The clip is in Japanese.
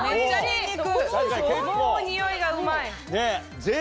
もう匂いがうまい。